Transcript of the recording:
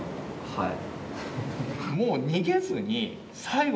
はい。